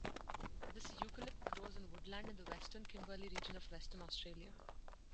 This eucalypt grows in woodland in the western Kimberley region of Western Australia.